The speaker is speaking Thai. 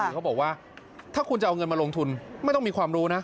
เขาบอกว่าถ้าคุณจะเอาเงินมาลงทุนไม่ต้องมีความรู้นะ